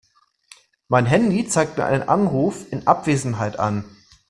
Mein Handy zeigt mir einen Anruf in Abwesenheit an.